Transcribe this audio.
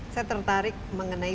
saya tertarik mengenai